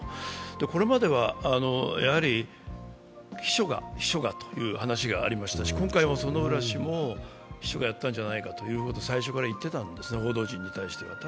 これまでは秘書が、秘書がという話がありましたし、今回の薗浦氏も秘書がやったんじゃないかということを最初から報道陣に対してんですね。